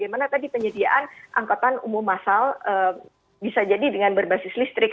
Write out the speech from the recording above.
bagaimana tadi penyediaan angkutan umum masal bisa jadi dengan berbasis listrik